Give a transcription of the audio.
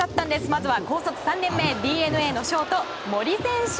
まずは高卒３年目ＤｅＮＡのショート、森選手。